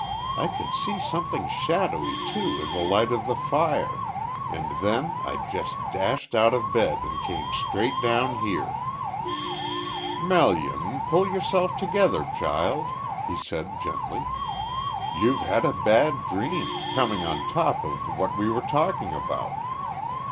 I could see something shadowy too in the light of the fire and then I just dashed out of bed and came straight down here." "Melian, pull yourself together child," he said gently. "You've had a bad dream, coming on top of what we were talking about."